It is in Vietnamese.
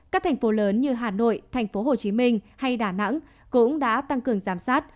các thành phố lớn như hà nội thành phố hồ chí minh hay đà nẵng cũng đã tăng cường giám sát